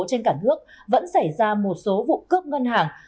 trên cả nước vẫn xảy ra một số vụ cướp ngân hàng